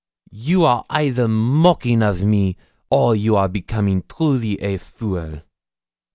'You are either mocking of me, or you are becoming truly a fool!'